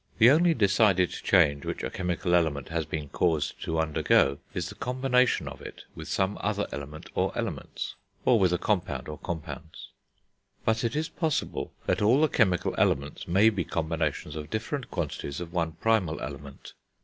The only decided change which a chemical element has been caused to undergo is the combination of it with some other element or elements, or with a compound or compounds. But it is possible that all the chemical elements may be combinations of different quantities of one primal element.